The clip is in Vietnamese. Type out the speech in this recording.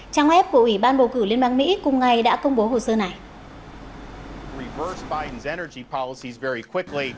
trang web của ủy ban bầu cử liên bang mỹ cùng ngày đã công bố hồ sơ này